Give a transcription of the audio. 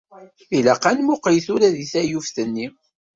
Ilaq ad nmuqel tura deg taluft-nni.